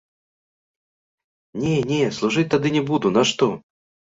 Не, не, служыць тады не буду, нашто?